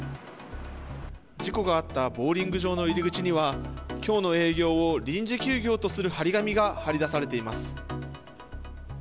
事故があったボウリング場の入り口には今日の営業を臨時休業とする貼り紙が貼り出されています。